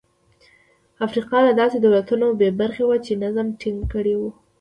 افریقا له داسې دولتونو بې برخې وه چې نظم ټینګ کړي وای.